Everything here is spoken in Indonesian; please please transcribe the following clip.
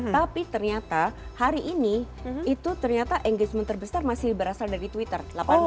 tapi ternyata hari ini itu ternyata engagement terbesar masih berasal dari twitter